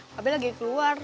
pak abey lagi keluar